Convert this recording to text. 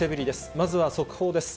まずは速報です。